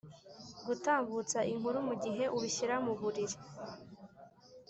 gutambutsa inkuru mugihe ubishyira muburiri